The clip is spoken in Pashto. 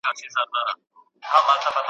له ټوټو بشپړ بلوړ کله جوړیږي `